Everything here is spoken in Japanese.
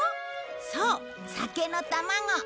そう酒の卵。